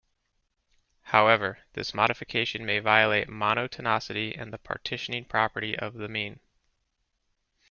However this modification may violate monotonicity and the partitioning property of the mean.